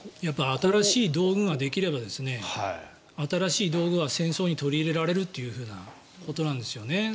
新しい道具ができれば新しい道具は戦争に取り入れられるということなんですよね。